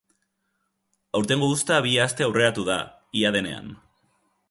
Aurtengo uzta bi aste aurreratu da, ia denean.